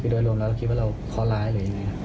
คือโดยรวมแล้วคิดว่าเราขอร้ายอะไรอย่างนี้